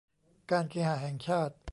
การเคหะแห่งชาติ